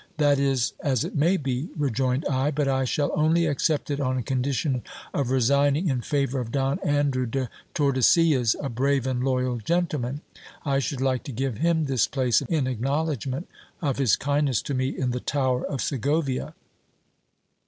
That is as it may be, rejoined I ; but I shall only accept it on condition of resigning in favour 4 20 GIL BLAS. of Don Andrew de Tordesillas, a brave and loyal gentleman ; I should like to give him this place in acknowledgment of his kindness to me in the tower of Segovia.